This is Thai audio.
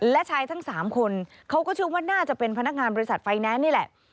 และชายทั้ง๓คนเขาก็เชื่อว่าน่าจะเป็นพนักงานบริษัทไฟแนนซ์นี่แหละ